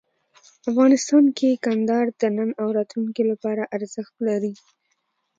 افغانستان کې کندهار د نن او راتلونکي لپاره ارزښت لري.